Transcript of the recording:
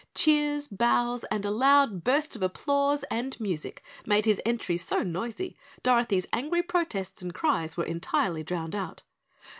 Cheers, bows and a loud burst of applause and music made his entry so noisy Dorothy's angry protests and cries were entirely drowned out.